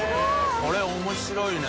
これ面白いね。